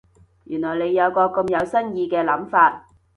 原來你有個咁有新意嘅諗法